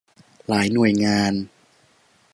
หลายหน่วยงาน